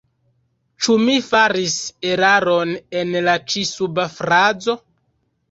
Ĉu mi faris eraron en la ĉi suba frazo?